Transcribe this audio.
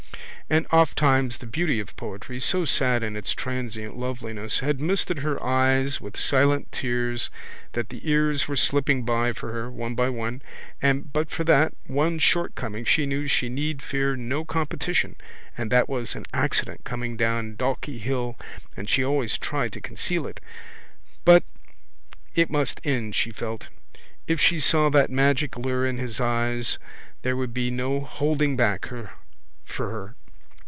_ and ofttimes the beauty of poetry, so sad in its transient loveliness, had misted her eyes with silent tears for she felt that the years were slipping by for her, one by one, and but for that one shortcoming she knew she need fear no competition and that was an accident coming down Dalkey hill and she always tried to conceal it. But it must end, she felt. If she saw that magic lure in his eyes there would be no holding back for her.